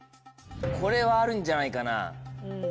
これはあるんじゃないかな。